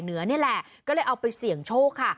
เหนือนี่แหละก็เลยเอาไปเสี่ยงโชคค่ะ